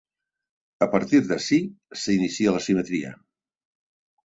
A partir d'ací s'inicia la simetria.